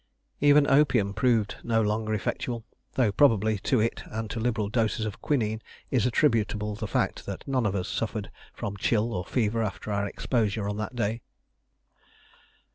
Even opium proved no longer effectual, though probably to it and to liberal doses of quinine is attributable the fact that none of us suffered from chill or fever after our exposure on that day.